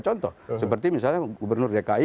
contoh seperti misalnya gubernur dki